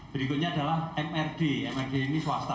berikutnya adalah mrd mrg ini swasta